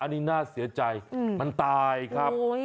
น่าเสียใจมันตายครับ